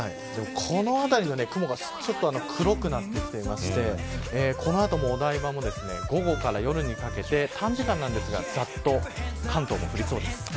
この辺りの雲が黒くなってきていましてこの後もお台場も午後から夜にかけて短時間ですがざっと関東も降りそうです。